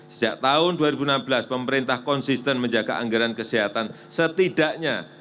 sejak tahun dua ribu enam belas pemerintah konsisten menjaga anggaran kesehatan setidaknya